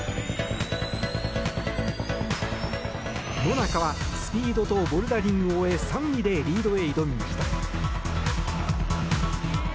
野中はスピードとボルダリングを終え３位でリードへ挑みました。